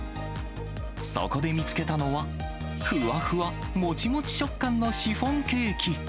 そこで見つけたのは、ふわふわ、もちもち食感のシフォンケーキ。